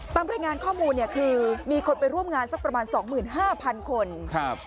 ตามรายงานข้อมูลเนี่ยคือมีคนไปร่วมงานสักประมาณสองหมื่นห้าพันคนครับ